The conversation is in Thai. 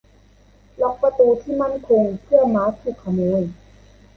ล็อคประตูที่มั่นคงเมื่อม้าถูกขโมย